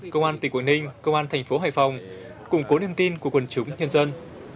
công an tỉnh quảng ninh công an thành phố hải phòng củng cố niềm tin của quần chúng nhân dân